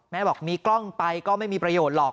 บอกมีกล้องไปก็ไม่มีประโยชน์หรอก